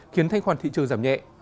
khiến thanh khoản thị trường giảm nhẹ